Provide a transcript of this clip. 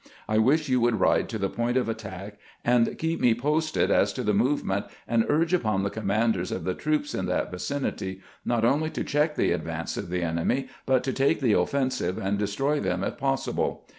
I wish you would ride to the point of attack, and keep me posted as to the movement, and urge upon the commanders of the troops in that vicinity not only to check the advance of the enemy, but to take the offensive and destroy them if possible.